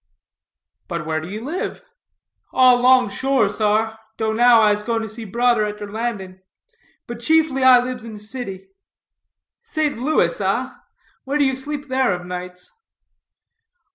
"But where do you live?" "All 'long shore, sar; dough now. I'se going to see brodder at der landing; but chiefly I libs in dey city." "St. Louis, ah? Where do you sleep there of nights?"